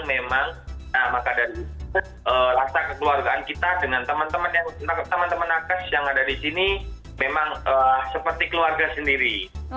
nah maka dari rasa kekeluargaan kita dengan teman teman nakas yang ada di sini memang seperti keluarga sendiri